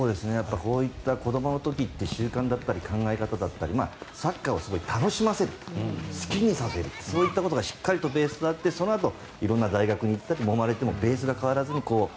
こういった子どもの時って習慣だったり考え方だったりサッカーをすごい楽しませる好きにさせるそういったことがしっかりとベースにあってそのあと色々な大学に行ってもまれてもベースが変わらずに。